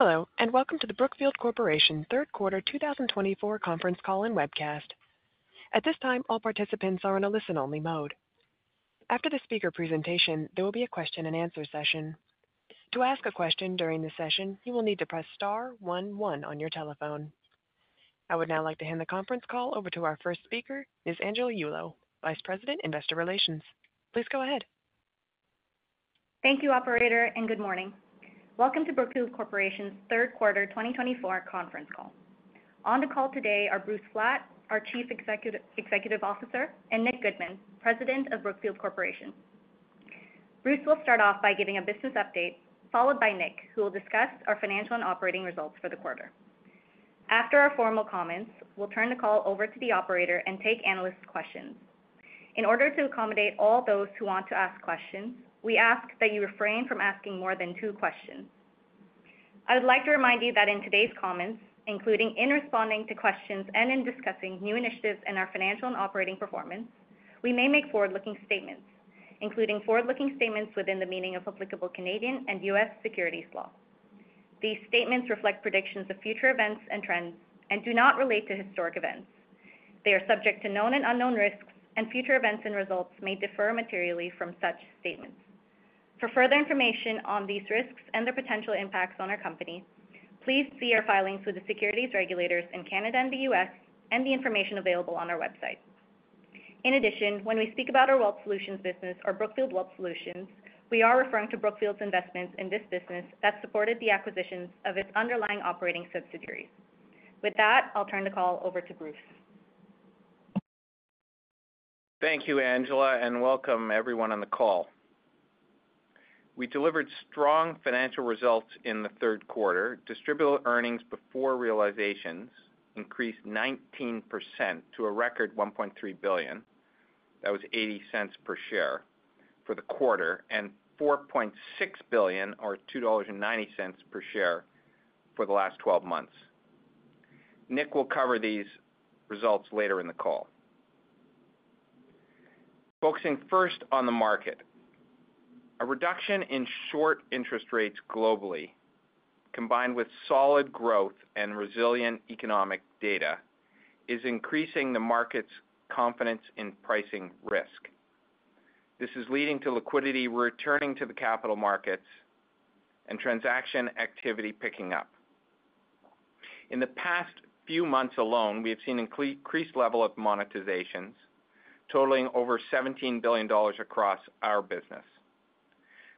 Hello, and welcome to the Brookfield Corporation Third Quarter 2024 Conference Call and Webcast. At this time, all participants are in a listen-only mode. After the speaker presentation, there will be a question-and-answer session. To ask a question during the session, you will need to press star one one on your telephone. I would now like to hand the conference call over to our first speaker, Ms. Angela Yulo, Vice President, Investor Relations. Please go ahead. Thank you, Operator, and good morning. Welcome to Brookfield Corporation's Third Quarter 2024 Conference Call. On the call today are Bruce Flatt, our Chief Executive Officer, and Nick Goodman, President of Brookfield Corporation. Bruce will start off by giving a business update, followed by Nick, who will discuss our financial and operating results for the quarter. After our formal comments, we'll turn the call over to the Operator and take analysts' questions. In order to accommodate all those who want to ask questions, we ask that you refrain from asking more than two questions. I would like to remind you that in today's comments, including in responding to questions and in discussing new initiatives in our financial and operating performance, we may make forward-looking statements, including forward-looking statements within the meaning of applicable Canadian and U.S. securities law. These statements reflect predictions of future events and trends and do not relate to historic events. They are subject to known and unknown risks, and future events and results may differ materially from such statements. For further information on these risks and their potential impacts on our company, please see our filings with the securities regulators in Canada and the U.S. and the information available on our website. In addition, when we speak about our Wealth Solutions business, or Brookfield Wealth Solutions, we are referring to Brookfield's investments in this business that supported the acquisitions of its underlying operating subsidiaries. With that, I'll turn the call over to Bruce. Thank you, Angela, and welcome everyone on the call. We delivered strong financial results in the third quarter. Distributable earnings before realizations increased 19% to a record $1.3 billion. That was $0.80 per share for the quarter and $4.6 billion, or $2.90 per share, for the last 12 months. Nick will cover these results later in the call. Focusing first on the market, a reduction in short interest rates globally, combined with solid growth and resilient economic data, is increasing the market's confidence in pricing risk. This is leading to liquidity returning to the capital markets and transaction activity picking up. In the past few months alone, we have seen an increased level of monetizations, totaling over $17 billion across our business.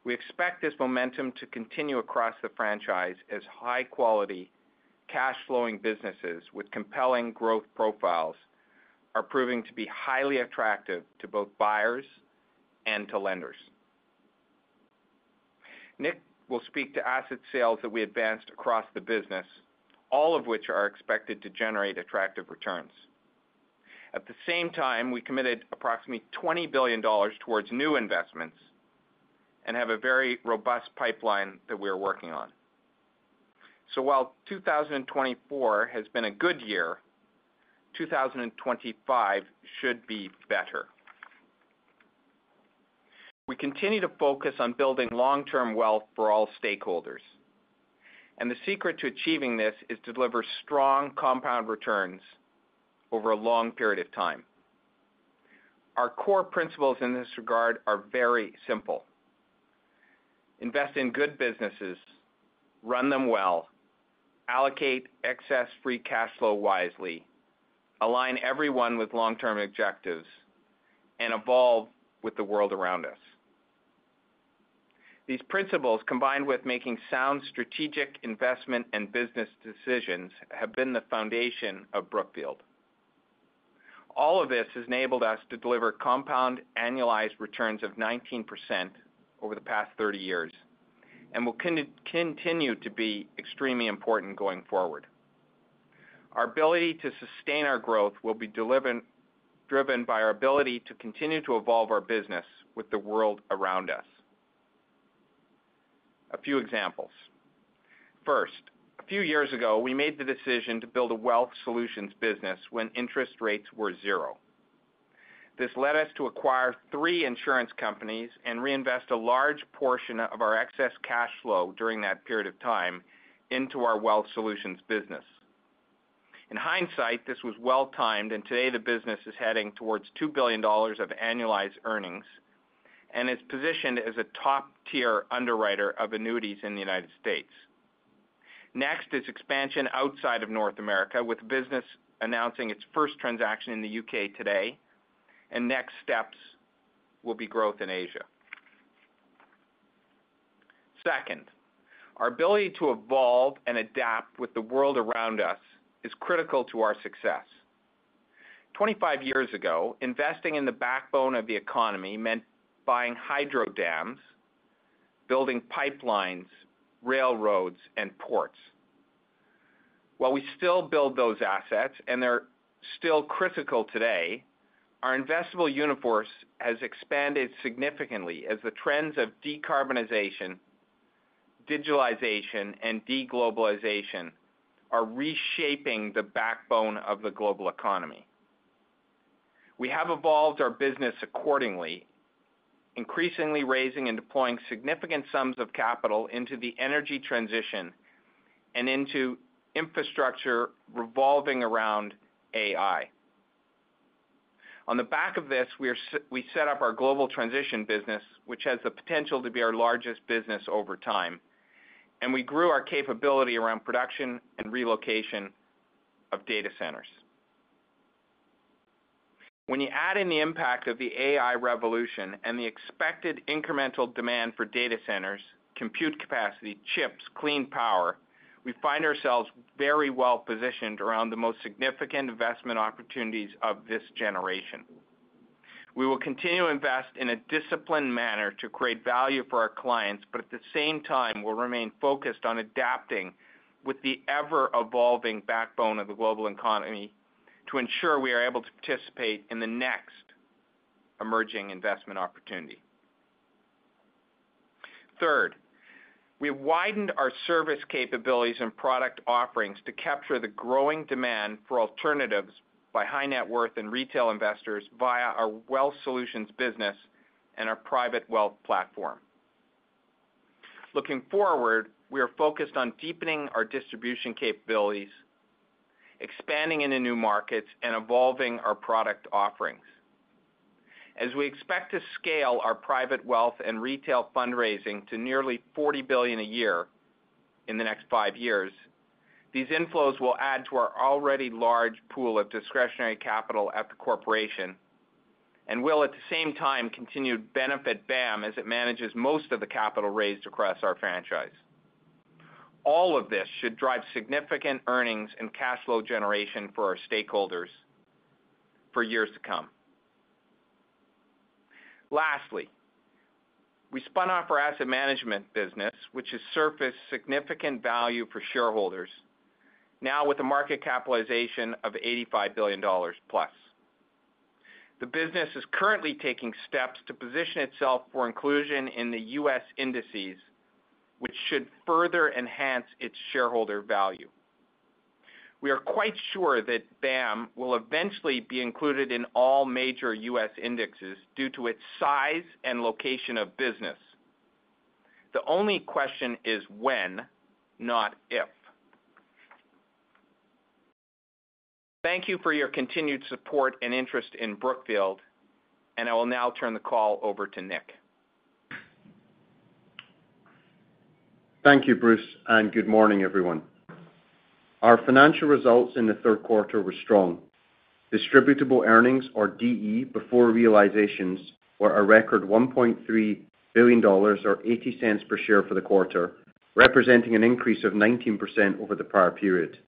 We expect this momentum to continue across the franchise as high-quality, cash-flowing businesses with compelling growth profiles are proving to be highly attractive to both buyers and to lenders. Nick will speak to asset sales that we advanced across the business, all of which are expected to generate attractive returns. At the same time, we committed approximately $20 billion towards new investments and have a very robust pipeline that we are working on. So while 2024 has been a good year, 2025 should be better. We continue to focus on building long-term wealth for all stakeholders, and the secret to achieving this is to deliver strong compound returns over a long period of time. Our core principles in this regard are very simple: invest in good businesses, run them well, allocate excess free cash flow wisely, align everyone with long-term objectives, and evolve with the world around us. These principles, combined with making sound strategic investment and business decisions, have been the foundation of Brookfield. All of this has enabled us to deliver compound annualized returns of 19% over the past 30 years and will continue to be extremely important going forward. Our ability to sustain our growth will be driven by our ability to continue to evolve our business with the world around us. A few examples. First, a few years ago, we made the decision to build a wealth solutions business when interest rates were zero. This led us to acquire three insurance companies and reinvest a large portion of our excess cash flow during that period of time into our wealth solutions business. In hindsight, this was well-timed, and today the business is heading towards $2 billion of annualized earnings and is positioned as a top-tier underwriter of annuities in the United States. Next is expansion outside of North America, with business announcing its first transaction in the U.K. today, and next steps will be growth in Asia. Second, our ability to evolve and adapt with the world around us is critical to our success. Twenty-five years ago, investing in the backbone of the economy meant buying hydro dams, building pipelines, railroads, and ports. While we still build those assets, and they're still critical today, our investable universe has expanded significantly as the trends of decarbonization, digitalization, and deglobalization are reshaping the backbone of the global economy. We have evolved our business accordingly, increasingly raising and deploying significant sums of capital into the energy transition and into infrastructure revolving around AI. On the back of this, we set up our global transition business, which has the potential to be our largest business over time, and we grew our capability around production and relocation of data centers. When you add in the impact of the AI revolution and the expected incremental demand for data centers, compute capacity, chips, clean power, we find ourselves very well positioned around the most significant investment opportunities of this generation. We will continue to invest in a disciplined manner to create value for our clients, but at the same time, we'll remain focused on adapting with the ever-evolving backbone of the global economy to ensure we are able to participate in the next emerging investment opportunity. Third, we have widened our service capabilities and product offerings to capture the growing demand for alternatives by high-net-worth and retail investors via our wealth solutions business and our private wealth platform. Looking forward, we are focused on deepening our distribution capabilities, expanding into new markets, and evolving our product offerings. As we expect to scale our private wealth and retail fundraising to nearly $40 billion a year in the next five years, these inflows will add to our already large pool of discretionary capital at the Corporation and will, at the same time, continue to benefit BAM as it manages most of the capital raised across our franchise. All of this should drive significant earnings and cash flow generation for our stakeholders for years to come. Lastly, we spun off our asset management business, which has surfaced significant value for shareholders, now with a market capitalization of $85 billion+. The business is currently taking steps to position itself for inclusion in the U.S. indices, which should further enhance its shareholder value. We are quite sure that BAM will eventually be included in all major U.S. indices due to its size and location of business. The only question is when, not if. Thank you for your continued support and interest in Brookfield, and I will now turn the call over to Nick. Thank you, Bruce, and good morning, everyone. Our financial results in the third quarter were strong. Distributable earnings, or DE, before realizations were a record $1.3 billion, or $0.80 per share for the quarter, representing an increase of 19% over the prior period.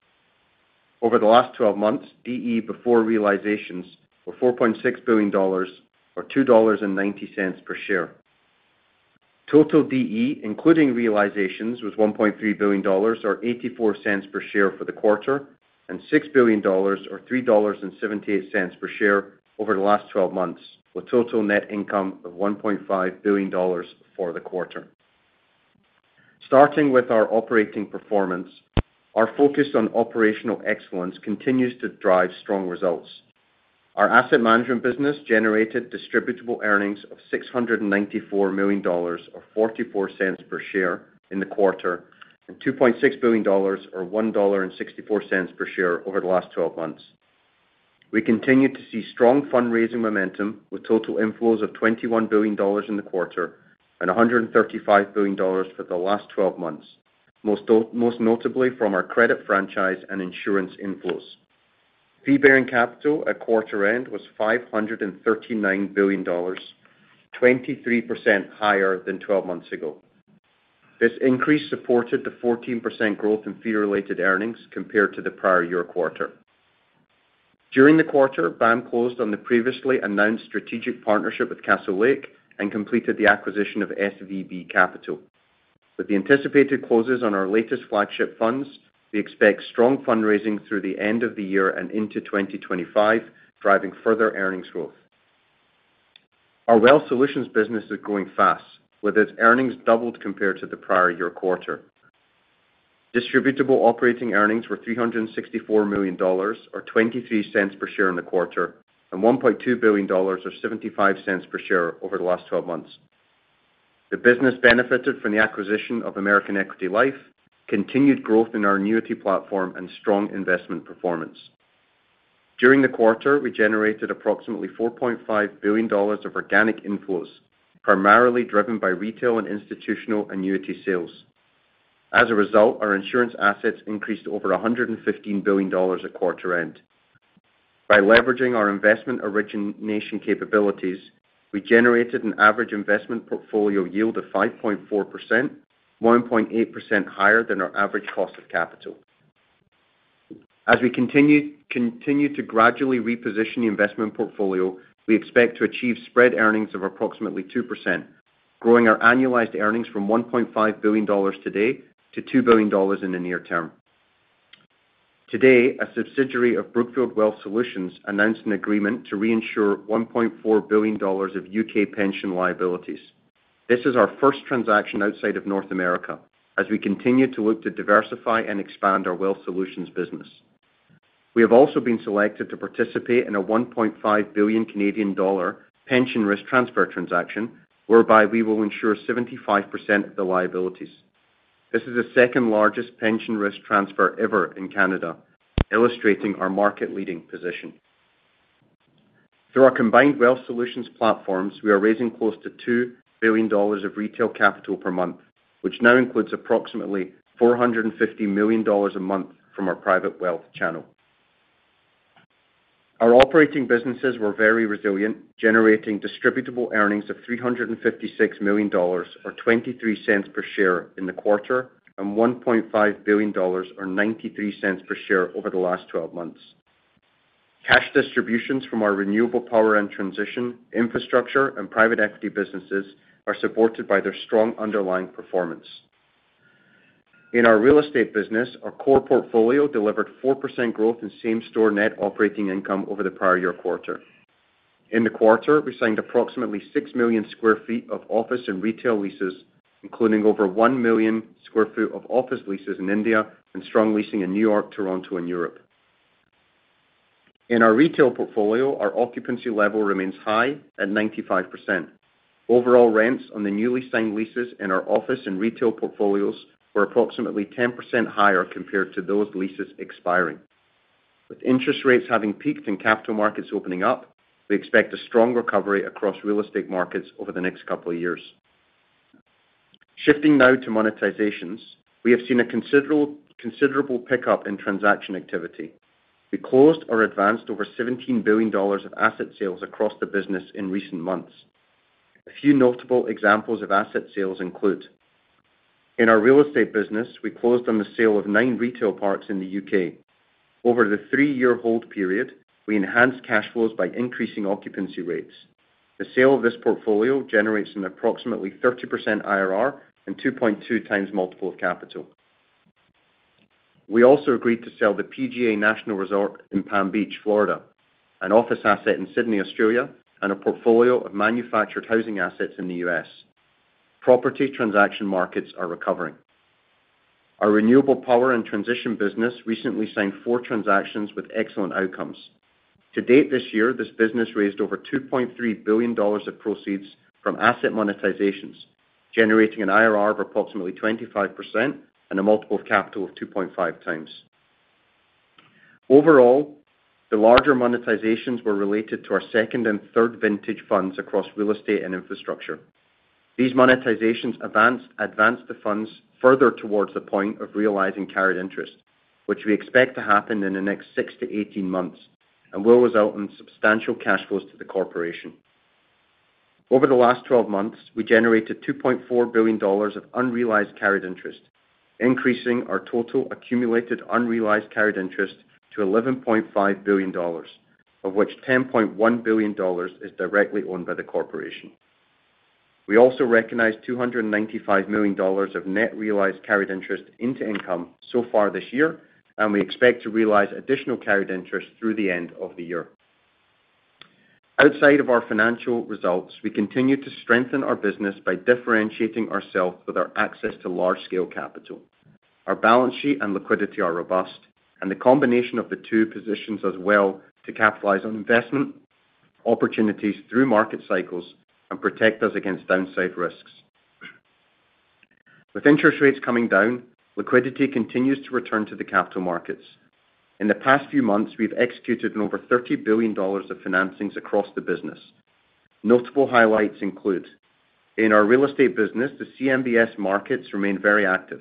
Over the last 12 months, DE before realizations were $4.6 billion, or $2.90 per share. Total DE, including realizations, was $1.3 billion, or $0.84 per share for the quarter, and $6 billion, or $3.78 per share over the last 12 months, with total net income of $1.5 billion for the quarter. Starting with our operating performance, our focus on operational excellence continues to drive strong results. Our asset management business generated Distributable earnings of $694 million, or $0.44 per share in the quarter, and $2.6 billion, or $1.64 per share over the last 12 months. We continue to see strong fundraising momentum, with total inflows of $21 billion in the quarter and $135 billion for the last 12 months, most notably from our credit franchise and insurance inflows. Fee-bearing capital at quarter-end was $539 billion, 23% higher than 12 months ago. This increase supported the 14% growth in fee-related earnings compared to the prior year quarter. During the quarter, BAM closed on the previously announced strategic partnership with Castlelake and completed the acquisition of SVB Capital. With the anticipated closes on our latest flagship funds, we expect strong fundraising through the end of the year and into 2025, driving further earnings growth. Our wealth solutions business is growing fast, with its earnings doubled compared to the prior year quarter. Distributable Earnings were $364 million, or $0.23 per share in the quarter, and $1.2 billion, or $0.75 per share over the last 12 months. The business benefited from the acquisition of American Equity Life, continued growth in our annuity platform, and strong investment performance. During the quarter, we generated approximately $4.5 billion of organic inflows, primarily driven by retail and institutional annuity sales. As a result, our insurance assets increased over $115 billion at quarter-end. By leveraging our investment origination capabilities, we generated an average investment portfolio yield of 5.4%, 1.8% higher than our average cost of capital. As we continue to gradually reposition the investment portfolio, we expect to achieve spread earnings of approximately 2%, growing our annualized earnings from $1.5 billion today to $2 billion in the near term. Today, a subsidiary of Brookfield Wealth Solutions announced an agreement to reinsure $1.4 billion of U.K. pension liabilities. This is our first transaction outside of North America as we continue to look to diversify and expand our wealth solutions business. We have also been selected to participate in a 1.5 billion Canadian dollar pension risk transfer transaction, whereby we will insure 75% of the liabilities. This is the second largest pension risk transfer ever in Canada, illustrating our market-leading position. Through our combined wealth solutions platforms, we are raising close to $2 billion of retail capital per month, which now includes approximately $450 million a month from our private wealth channel. Our operating businesses were very resilient, generating Distributable earnings of $356 million, or $0.23 per share in the quarter, and $1.5 billion, or $0.93 per share over the last 12 months. Cash distributions from our renewable power and transition, infrastructure, and private equity businesses are supported by their strong underlying performance. In our real estate business, our core portfolio delivered 4% growth in same-store net operating income over the prior year quarter. In the quarter, we signed approximately 6 million sq ft of office and retail leases, including over 1 million sq ft of office leases in India and strong leasing in New York, Toronto, and Europe. In our retail portfolio, our occupancy level remains high at 95%. Overall rents on the newly signed leases in our office and retail portfolios were approximately 10% higher compared to those leases expiring. With interest rates having peaked and capital markets opening up, we expect a strong recovery across real estate markets over the next couple of years. Shifting now to monetizations, we have seen a considerable pickup in transaction activity. We closed or advanced over $17 billion of asset sales across the business in recent months. A few notable examples of asset sales include: in our real estate business, we closed on the sale of nine retail parks in the U.K. Over the three-year hold period, we enhanced cash flows by increasing occupancy rates. The sale of this portfolio generates an approximately 30% IRR and 2.2 times multiple of capital. We also agreed to sell the PGA National Resort in Palm Beach, Florida, an office asset in Sydney, Australia, and a portfolio of manufactured housing assets in the U.S. Property transaction markets are recovering. Our renewable power and transition business recently signed four transactions with excellent outcomes. To date this year, this business raised over $2.3 billion of proceeds from asset monetizations, generating an IRR of approximately 25% and a multiple of capital of 2.5 times. Overall, the larger monetizations were related to our second and third vintage funds across real estate and infrastructure. These monetizations advanced the funds further towards the point of realizing carried interest, which we expect to happen in the next six to 18 months and will result in substantial cash flows to the Corporation. Over the last 12 months, we generated $2.4 billion of unrealized carried interest, increasing our total accumulated unrealized carried interest to $11.5 billion, of which $10.1 billion is directly owned by the Corporation. We also recognize $295 million of net realized carried interest into income so far this year, and we expect to realize additional carried interest through the end of the year. Outside of our financial results, we continue to strengthen our business by differentiating ourselves with our access to large-scale capital. Our balance sheet and liquidity are robust, and the combination of the two positions is well to capitalize on investment opportunities through market cycles and protect us against downside risks. With interest rates coming down, liquidity continues to return to the capital markets. In the past few months, we've executed on over $30 billion of financings across the business. Notable highlights include: in our real estate business, the CMBS markets remain very active.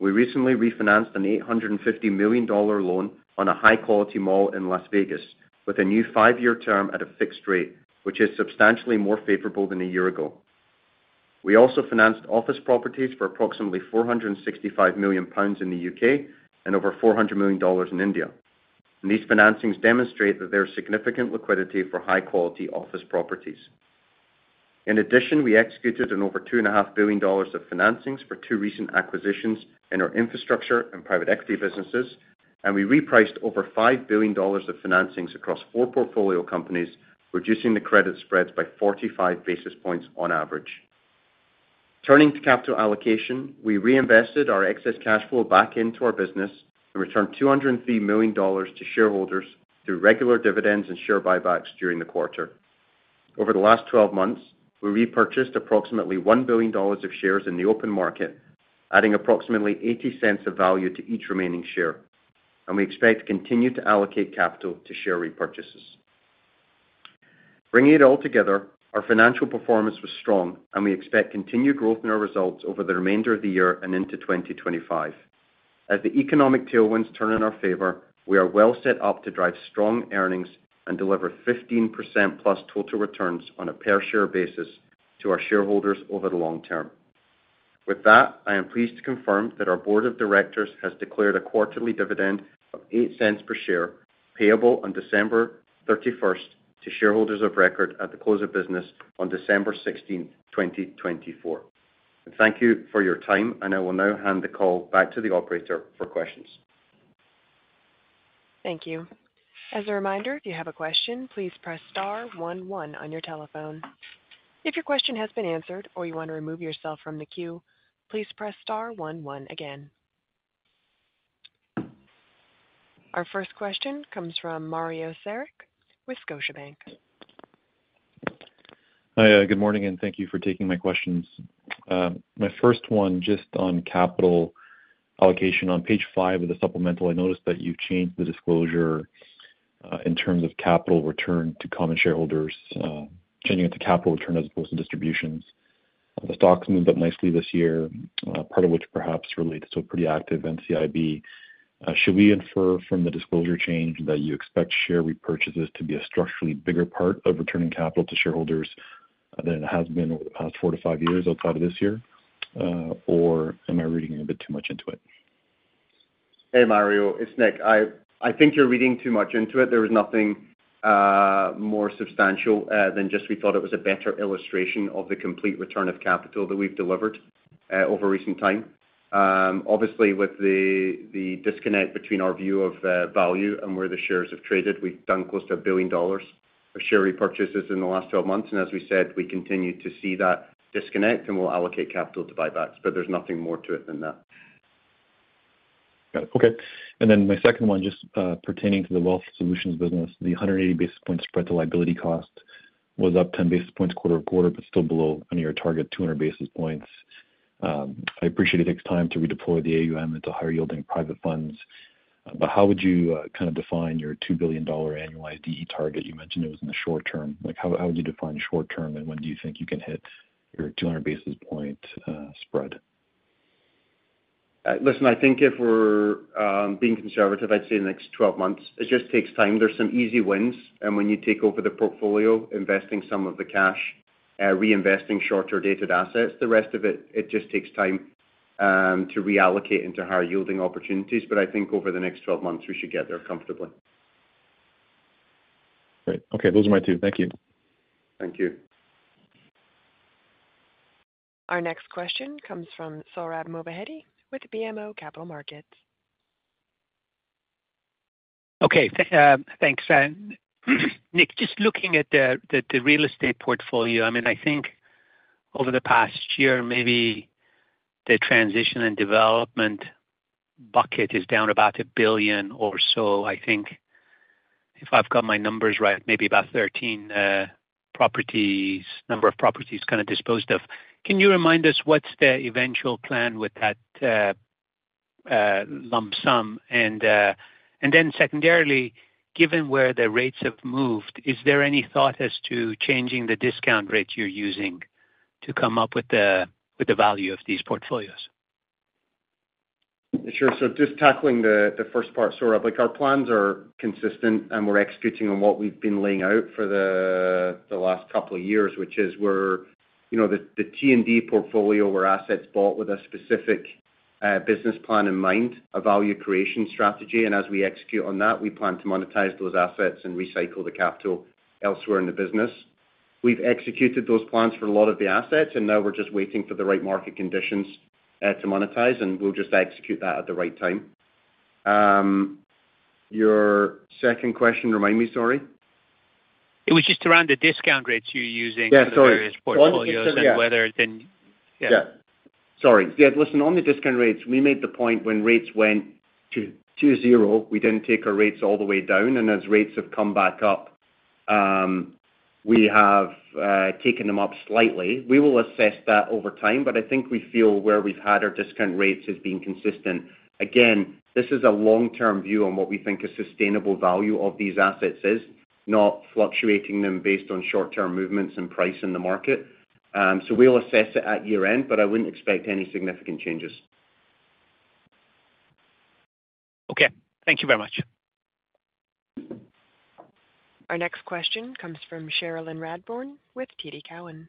We recently refinanced an $850 million loan on a high-quality mall in Las Vegas with a new five-year term at a fixed rate, which is substantially more favorable than a year ago. We also financed office properties for approximately 465 million pounds in the U.K. and over $400 million in India. These financings demonstrate that there is significant liquidity for high-quality office properties. In addition, we executed on over $2.5 billion of financings for two recent acquisitions in our infrastructure and private equity businesses, and we repriced over $5 billion of financings across four portfolio companies, reducing the credit spreads by 45 basis points on average. Turning to capital allocation, we reinvested our excess cash flow back into our business and returned $203 million to shareholders through regular dividends and share buybacks during the quarter. Over the last 12 months, we repurchased approximately $1 billion of shares in the open market, adding approximately $0.80 of value to each remaining share, and we expect to continue to allocate capital to share repurchases. Bringing it all together, our financial performance was strong, and we expect continued growth in our results over the remainder of the year and into 2025. As the economic tailwinds turn in our favor, we are well set up to drive strong earnings and deliver 15% plus total returns on a per-share basis to our shareholders over the long term. With that, I am pleased to confirm that our Board of Directors has declared a quarterly dividend of $0.08 per share payable on December 31st to shareholders of record at the close of business on December 16th, 2024. Thank you for your time, and I will now hand the call back to the operator for questions. Thank you. As a reminder, if you have a question, please press star one one on your telephone. If your question has been answered or you want to remove yourself from the queue, please press star one one again. Our first question comes from Mario Saric with Scotiabank. Hi, good morning, and thank you for taking my questions. My first one just on capital allocation. On page five of the supplemental, I noticed that you've changed the disclosure in terms of capital return to common shareholders, changing it to capital return as opposed to distributions. The stocks moved up nicely this year, part of which perhaps relates to a pretty active NCIB. Should we infer from the disclosure change that you expect share repurchases to be a structurally bigger part of returning capital to shareholders than it has been over the past four to five years outside of this year, or am I reading a bit too much into it? Hey, Mario, it's Nick. I think you're reading too much into it. There was nothing more substantial than just we thought it was a better illustration of the complete return of capital that we've delivered over recent time. Obviously, with the disconnect between our view of value and where the shares have traded, we've done close to $1 billion of share repurchases in the last 12 months. And as we said, we continue to see that disconnect, and we'll allocate capital to buybacks, but there's nothing more to it than that. Got it. Okay. And then my second one, just pertaining to the wealth solutions business, the 180 basis points spread to liability cost was up 10 basis points quarter to quarter, but still below your target, 200 basis points. I appreciate it takes time to redeploy the AUM into higher-yielding private funds, but how would you kind of define your $2 billion annualized earnings target? You mentioned it was in the short term. How would you define short term, and when do you think you can hit your 200 basis point spread? Listen, I think if we're being conservative, I'd say the next 12 months. It just takes time. There's some easy wins, and when you take over the portfolio, investing some of the cash, reinvesting short-term dated assets, the rest of it, it just takes time to reallocate into higher-yielding opportunities. But I think over the next 12 months, we should get there comfortably. Great. Okay. Those are my two. Thank you. Thank you. Our next question comes from Sohrab Movahedi with BMO Capital Markets. Okay. Thanks. Nick, just looking at the real estate portfolio, I mean, I think over the past year, maybe the transition and development bucket is down about a billion or so. I think, if I've got my numbers right, maybe about 13 number of properties kind of disposed of. Can you remind us what's the eventual plan with that lump sum? And then secondarily, given where the rates have moved, is there any thought as to changing the discount rate you're using to come up with the value of these portfolios? Sure. So just tackling the first part, Sohrab, our plans are consistent, and we're executing on what we've been laying out for the last couple of years, which is the T&D portfolio where assets bought with a specific business plan in mind, a value creation strategy. And as we execute on that, we plan to monetize those assets and recycle the capital elsewhere in the business. We've executed those plans for a lot of the assets, and now we're just waiting for the right market conditions to monetize, and we'll just execute that at the right time. Your second question, remind me, sorry? It was just around the discount rates you're using for various portfolios and whether it's in. Sorry. Listen, on the discount rates, we made the point when rates went to zero, we didn't take our rates all the way down, and as rates have come back up, we have taken them up slightly. We will assess that over time, but I think we feel where we've had our discount rates has been consistent. Again, this is a long-term view on what we think a sustainable value of these assets is, not fluctuating them based on short-term movements and price in the market. We'll assess it at year-end, but I wouldn't expect any significant changes. Okay. Thank you very much. Our next question comes from Cherilyn Radbourne with TD Cowen.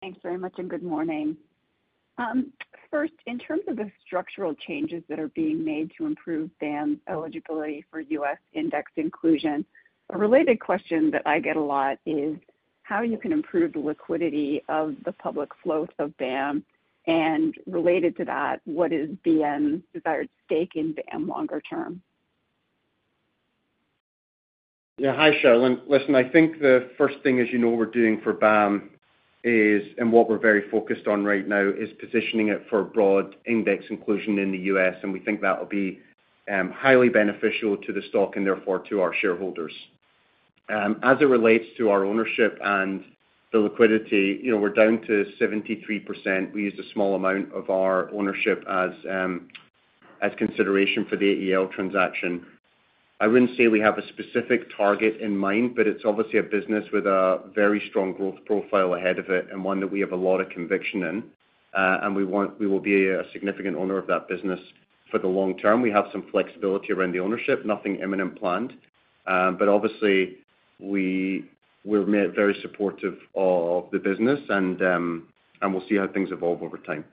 Thanks very much and good morning. First, in terms of the structural changes that are being made to improve BAM eligibility for U.S. index inclusion, a related question that I get a lot is how you can improve the liquidity of the public flows of BAM. And related to that, what is BAM's desired stake in BAM longer term? Yeah. Hi, Cherilyn. Listen, I think the first thing, as you know, we're doing for BAM is, and what we're very focused on right now, is positioning it for broad index inclusion in the U.S. And we think that will be highly beneficial to the stock and therefore to our shareholders. As it relates to our ownership and the liquidity, we're down to 73%. We used a small amount of our ownership as consideration for the AEL transaction. I wouldn't say we have a specific target in mind, but it's obviously a business with a very strong growth profile ahead of it and one that we have a lot of conviction in. And we will be a significant owner of that business for the long term. We have some flexibility around the ownership, nothing imminent planned. But obviously, we're very supportive of the business, and we'll see how things evolve over time.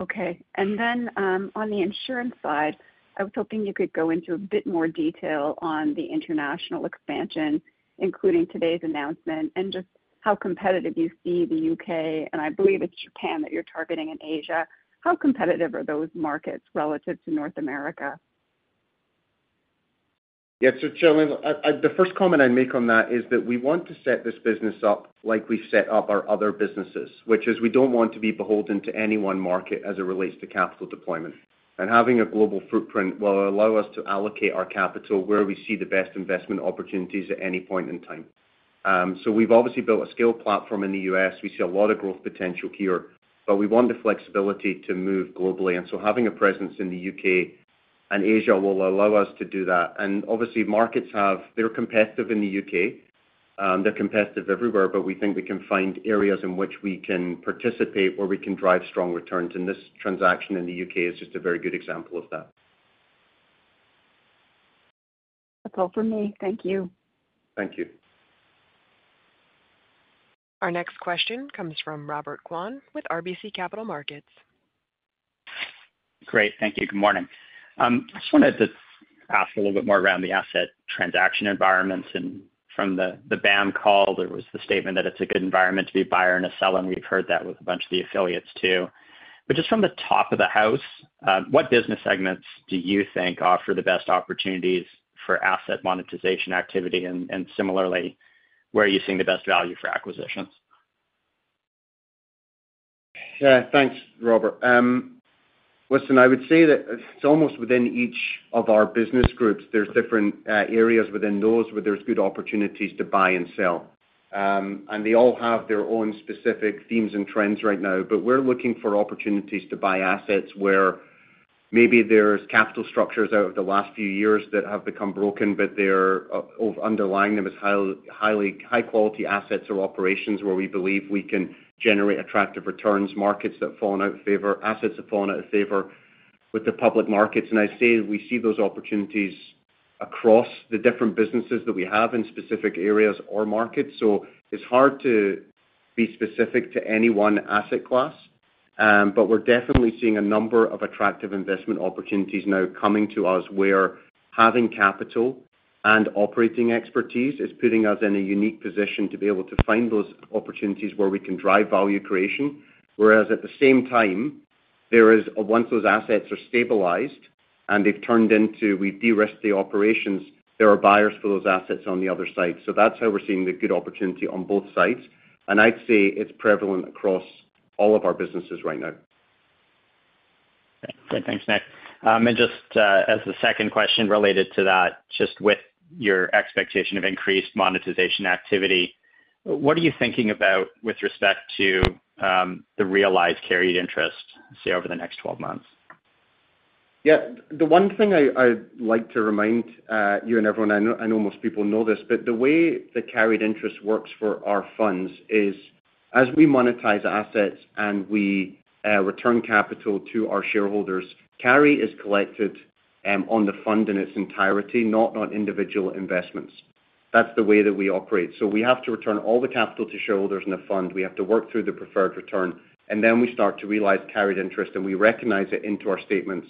Okay. And then on the insurance side, I was hoping you could go into a bit more detail on the international expansion, including today's announcement, and just how competitive you see the U.K., and I believe it's Japan that you're targeting in Asia. How competitive are those markets relative to North America? Yeah. So Cherilyn, the first comment I'd make on that is that we want to set this business up like we set up our other businesses, which is we don't want to be beholden to any one market as it relates to capital deployment. And having a global footprint will allow us to allocate our capital where we see the best investment opportunities at any point in time. So we've obviously built a skilled platform in the U.S. We see a lot of growth potential here, but we want the flexibility to move globally. And so having a presence in the U.K. and Asia will allow us to do that. And obviously, markets, they're competitive in the U.K. They're competitive everywhere, but we think we can find areas in which we can participate where we can drive strong returns. This transaction in the U.K. is just a very good example of that. That's all for me. Thank you. Thank you. Our next question comes from Robert Kwan with RBC Capital Markets. Great. Thank you. Good morning. I just wanted to ask a little bit more around the asset transaction environments. And from the BAM call, there was the statement that it's a good environment to be a buyer and a seller. And we've heard that with a bunch of the affiliates too. But just from the top of the house, what business segments do you think offer the best opportunities for asset monetization activity? And similarly, where are you seeing the best value for acquisitions? Yeah. Thanks, Robert. Listen, I would say that it's almost within each of our business groups. There's different areas within those where there's good opportunities to buy and sell. And they all have their own specific themes and trends right now. But we're looking for opportunities to buy assets where maybe there's capital structures out of the last few years that have become broken, but underlying them is high-quality assets or operations where we believe we can generate attractive returns, markets that have fallen out of favor, assets that have fallen out of favor with the public markets. And I say we see those opportunities across the different businesses that we have in specific areas or markets. So it's hard to be specific to any one asset class, but we're definitely seeing a number of attractive investment opportunities now coming to us where having capital and operating expertise is putting us in a unique position to be able to find those opportunities where we can drive value creation. Whereas at the same time, there is, once those assets are stabilized and they've turned into we've de-risked the operations, there are buyers for those assets on the other side. So that's how we're seeing the good opportunity on both sides. And I'd say it's prevalent across all of our businesses right now. Great. Thanks, Nick. And just as a second question related to that, just with your expectation of increased monetization activity, what are you thinking about with respect to the realized carried interest over the next 12 months? Yeah. The one thing I'd like to remind you and everyone, I know most people know this, but the way the carried interest works for our funds is as we monetize assets and we return capital to our shareholders, carry is collected on the fund in its entirety, not on individual investments. That's the way that we operate. So we have to return all the capital to shareholders in the fund. We have to work through the preferred return. And then we start to realize carried interest, and we recognize it into our statements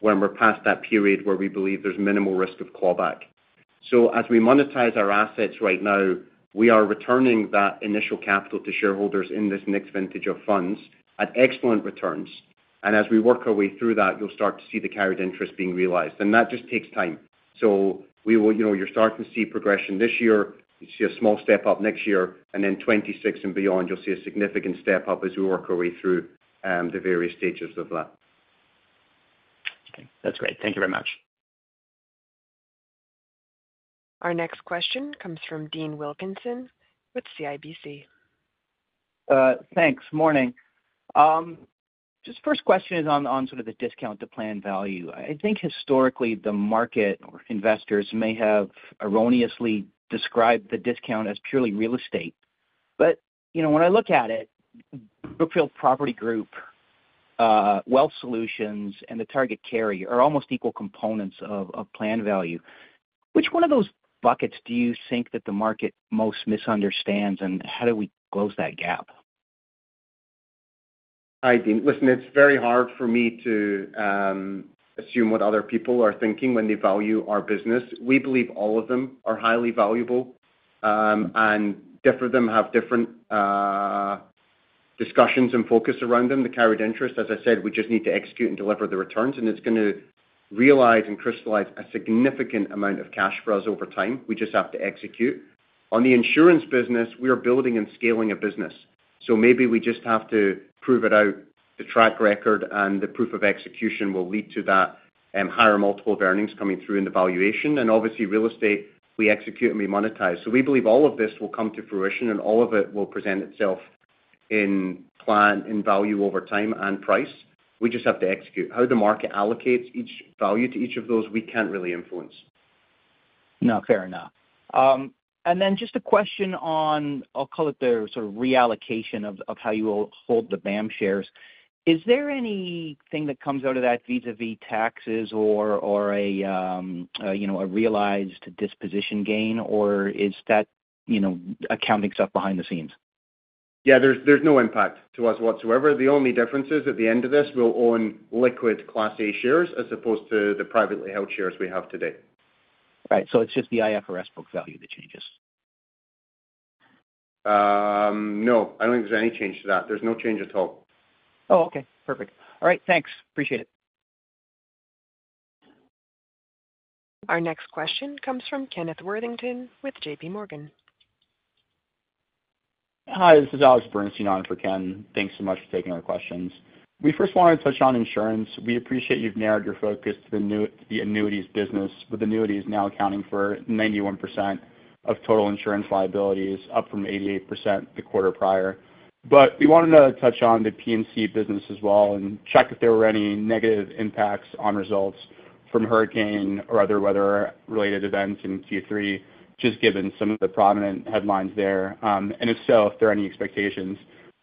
when we're past that period where we believe there's minimal risk of clawback. So as we monetize our assets right now, we are returning that initial capital to shareholders in this mixed vintage of funds at excellent returns. And as we work our way through that, you'll start to see the carried interest being realized. That just takes time. You're starting to see progression this year. You see a small step up next year. Then 2026 and beyond, you'll see a significant step up as we work our way through the various stages of that. Okay. That's great. Thank you very much. Our next question comes from Dean Wilkinson with CIBC. Thanks. Morning. Just first question is on sort of the discount to Plan Value. I think historically, the market or investors may have erroneously described the discount as purely real estate. But when I look at it, Brookfield Property Group, Wealth Solutions, and the Target Carry are almost equal components of Plan Value. Which one of those buckets do you think that the market most misunderstands, and how do we close that gap? Hi, Dean. Listen, it's very hard for me to assume what other people are thinking when they value our business. We believe all of them are highly valuable, and different of them have different discussions and focus around them. The carried interest, as I said, we just need to execute and deliver the returns. And it's going to realize and crystallize a significant amount of cash for us over time. We just have to execute. On the insurance business, we are building and scaling a business, so maybe we just have to prove it out. The track record and the proof of execution will lead to that higher multiple of earnings coming through in the valuation, and obviously, real estate, we execute and we monetize, so we believe all of this will come to fruition, and all of it will present itself in Plan Value over time and price. We just have to execute. How the market allocates each value to each of those, we can't really influence. No, fair enough. And then just a question on, I'll call it the sort of reallocation of how you will hold the BAM shares. Is there anything that comes out of that vis-à-vis taxes or a realized disposition gain, or is that accounting stuff behind the scenes? Yeah. There's no impact to us whatsoever. The only difference is at the end of this, we'll own liquid Class A shares as opposed to the privately held shares we have today. Right. So it's just the IFRS book value that changes. No. I don't think there's any change to that. There's no change at all. Oh, okay. Perfect. All right. Thanks. Appreciate it. Our next question comes from Kenneth Worthington with J.P. Morgan. Hi. This is Alex Bernstein on for Ken. Thanks so much for taking our questions. We first wanted to touch on insurance. We appreciate you've narrowed your focus to the annuities business, with annuities now accounting for 91% of total insurance liabilities, up from 88% the quarter prior. But we wanted to touch on the P&C business as well and check if there were any negative impacts on results from hurricane or other weather-related events in Q3, just given some of the prominent headlines there, and if so, if there are any expectations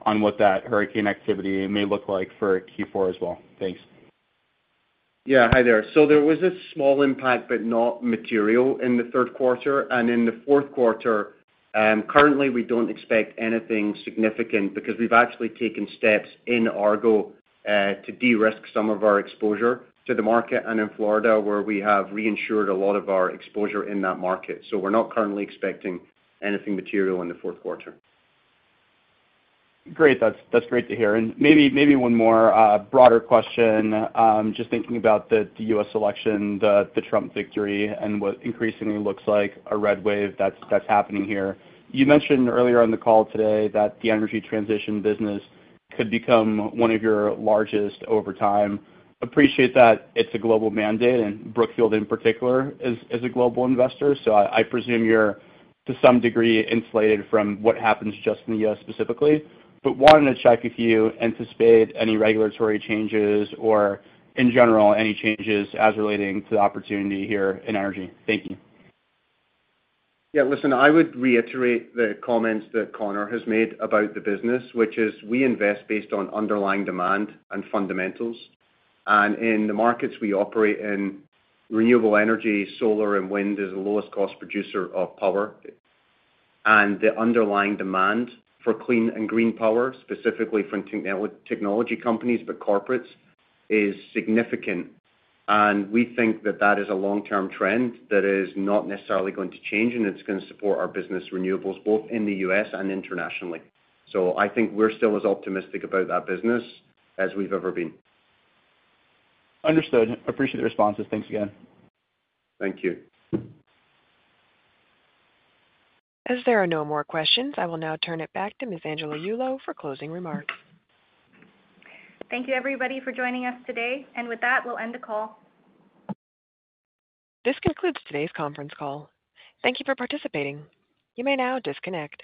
on what that hurricane activity may look like for Q4 as well. Thanks. Yeah. Hi there. So there was a small impact, but not material in the third quarter. And in the fourth quarter, currently, we don't expect anything significant because we've actually taken steps in Argo to de-risk some of our exposure to the market. And in Florida, where we have reinsured a lot of our exposure in that market. So we're not currently expecting anything material in the fourth quarter. Great. That's great to hear. And maybe one more broader question, just thinking about the U.S. election, the Trump victory, and what increasingly looks like a red wave that's happening here. You mentioned earlier on the call today that the energy transition business could become one of your largest over time. Appreciate that it's a global mandate, and Brookfield in particular is a global investor. So I presume you're, to some degree, insulated from what happens just in the U.S. specifically. But wanted to check if you anticipate any regulatory changes or, in general, any changes as relating to the opportunity here in energy. Thank you. Yeah. Listen, I would reiterate the comments that Connor has made about the business, which is we invest based on underlying demand and fundamentals. And in the markets we operate in, renewable energy, solar, and wind is the lowest-cost producer of power. And the underlying demand for clean and green power, specifically from technology companies but corporates, is significant. And we think that that is a long-term trend that is not necessarily going to change, and it's going to support our business renewables both in the U.S. and internationally. So I think we're still as optimistic about that business as we've ever been. Understood. Appreciate the responses. Thanks again. Thank you. As there are no more questions, I will now turn it back to Ms. Angela Yulo for closing remarks. Thank you, everybody, for joining us today. And with that, we'll end the call. This concludes today's conference call. Thank you for participating. You may now disconnect.